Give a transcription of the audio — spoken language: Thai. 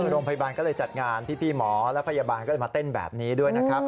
โรงพยาบาลก็เลยจัดงานพี่หมอและพยาบาลก็เลยมาเต้นแบบนี้ด้วยนะครับ